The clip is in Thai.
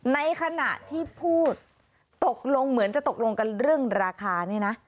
ในขณะที่พูดตกลงเหมือนจะตกลงกันเรื่องราคาเนี่ยนะ